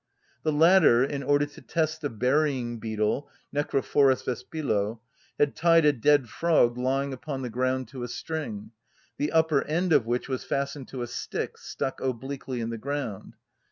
The latter, in order to test the burying‐beetle (Necrophorus vespillo), had tied a dead frog lying upon the ground to a string, the upper end of which was fastened to a stick stuck obliquely in the ground.